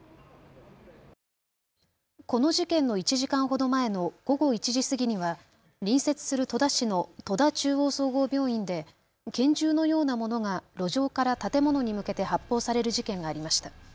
この事件の１時間ほど前の午後１時過ぎには隣接する戸田市の戸田中央総合病院で拳銃のようなものが路上から建物に向けて発砲される事件がありました。